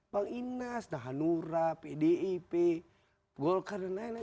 bang inas nahanura pdip golkar dan lain lain